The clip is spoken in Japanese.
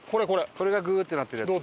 これがグーッてなってるやつ。